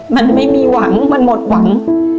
มันไม่มีหวังมันหมดหวัง